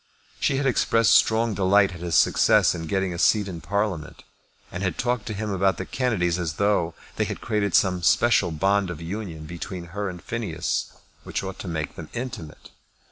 She had expressed strong delight at his success in getting a seat in Parliament, and had talked to him about the Kennedys as though they had created some special bond of union between her and Phineas which ought to make them intimate.